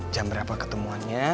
jam berapa ketemuannya